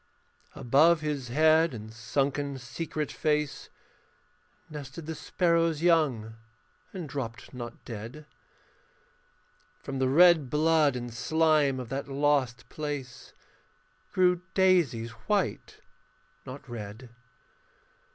Above his head and sunken secret face Nested the sparrow's young and dropped not dead. From the red blood and slime of that lost place Grew daisies white, not red.